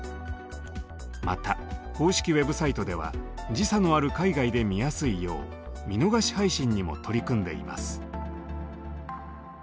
また公式ウェブサイトでは時差のある海外で見やすいよう見逃し配信にも取り組んでいます。